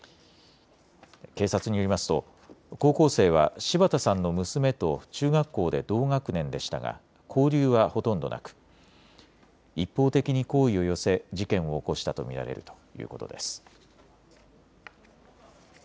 警察によりますと高校生は柴田さんの娘と中学校で同学年でしたが交流はほとんどなく一方的に好意を寄せ事件を起こしたと見られるということです。